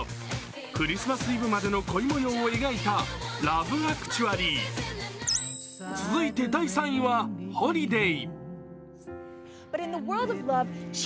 クリスマスイブまでの恋模様を描いた「ラブ・アクチュアリー」続いて第３位は「ホリデイ」。